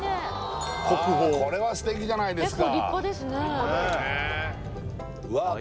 これは素敵じゃないですか